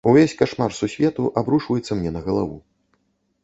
Увесь кашмар сусвету абрушваецца мне на галаву.